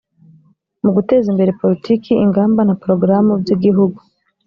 mu guteza imbere politiki ingamba na porogaramu by igihugu